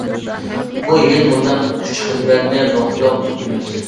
بۇ يىل مۇنداق ئۈچ خىزمەتنى نۇقتىلىق تۇتىمىز.